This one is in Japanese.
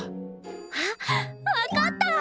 あっ分かった！